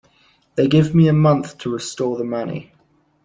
They give me a month to restore the money.